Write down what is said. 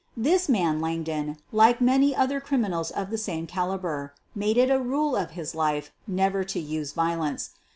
This man Langdon, like many other criminals of the same caliber, made it a rule of his life never to use violence.